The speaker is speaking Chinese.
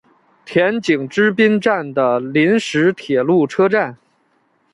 田井之滨站的临时铁路车站。